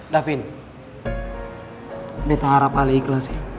davin betaharap alaiklasi